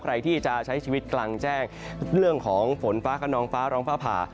ใครที่จะใช้ชีวิตกลางแจ้งเรื่องของฝนฟ้าขนองฟ้าร้องฟ้าผ่า